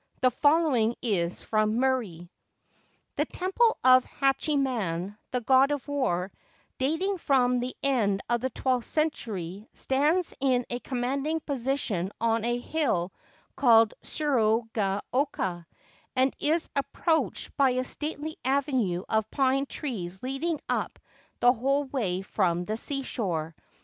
The following is from Murray :— The Temple of Hachiman, the God of War, dating from the end of the twelfth century, stands in a commanding position on a hill called Tsuru ga oka, and is approached by a stately avenue of pine trees leading up the whole way from the seashore.